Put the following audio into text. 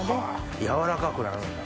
軟らかくなるんだ。